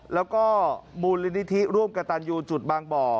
แล้วก็มูลนิธิร่วมกระตันยูจุดบางบ่อ